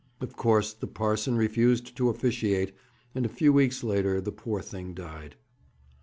Of course, the parson refused to officiate, and a few weeks later the poor thing died.'